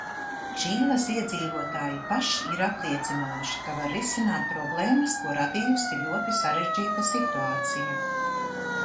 Čīles iedzīvotāji paši ir apliecinājuši, ka var risināt problēmas, ko radījusi ļoti sarežģīta situācija.